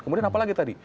kemudian apa lagi tadi